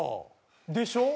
でしょ？